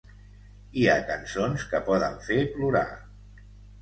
Hi ha cançons que poden fer plorar.